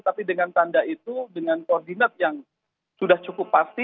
tapi dengan tanda itu dengan koordinat yang sudah cukup pasti